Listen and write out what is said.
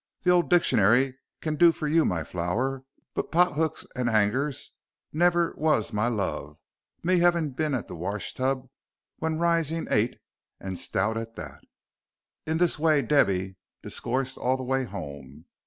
The 'ole dixionary kin do for you my flower, but pothooks and 'angers never was my loves, me having been at the wash tub when rising eight, and stout at that." In this way Debby discoursed all the way home.